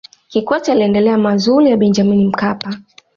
kikwete aliendeleza mazuri ya benjamini mkapa